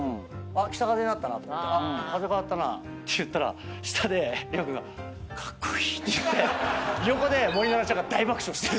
あっ北風になったなと思って風変わったなって言ったら下で凌君が「カッコイイ」って言って横で。